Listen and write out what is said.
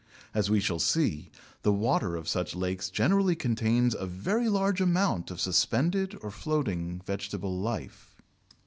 As we shall see, the water of such lakes generally contains a very large amount of suspended or floating vegetable life.